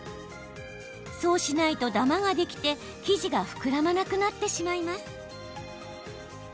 そうしないとダマができて生地が膨らまなくなってしまいます。